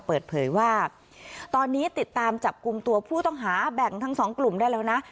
เปิดเผยว่าตอนนี้ติดตามจับกลุ่มตัวผู้ต้องหาแบ่งทั้งสองกลุ่มได้แล้วนะ